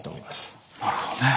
なるほどね。